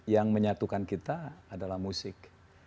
yang menyatukan kita adalah musik